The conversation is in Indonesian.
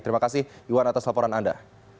terima kasih iwan atas laporan anda